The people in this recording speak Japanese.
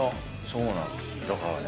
そうなんです。